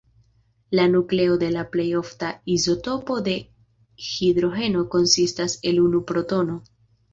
La nukleo de la plej ofta izotopo de hidrogeno konsistas el unu protono.